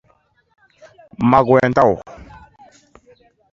Magwɛntaw: